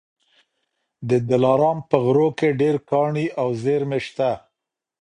د دلارام په غرو کي ډېر کاڼي او زېرمې سته.